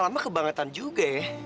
bapak udah bilang